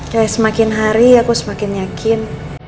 ya semakin hari aku semakin yakin